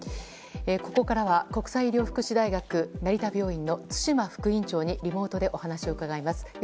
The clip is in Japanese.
ここからは国際医療福祉大学成田病院の津島副院長にリモートでお話を伺います。